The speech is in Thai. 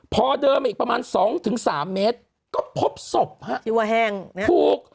พอเดินมาอีกประมาณ๒๓เมตรก็พบศพภูก